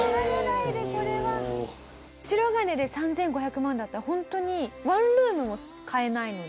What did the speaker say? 白金で３５００万だったらホントにワンルームも買えないので。